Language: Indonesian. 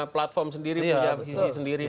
platform sendiri punya visi sendiri